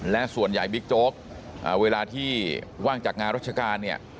และส่วนใหญ่บิ๊กโจ๊กเวลาที่ว่างจากงานราชการเนี่ย